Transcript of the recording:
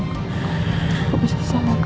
aku bisa jalan ko